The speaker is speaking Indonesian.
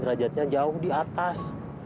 derajatnya jauh di atas